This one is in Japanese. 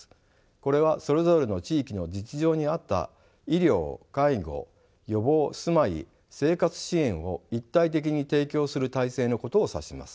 これはそれぞれの地域の実情に合った医療介護予防住まい生活支援を一体的に提供する体制のことを指します。